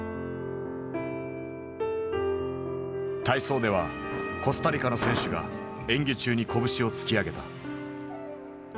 体操ではコスタリカの選手が演技中に拳を突き上げた。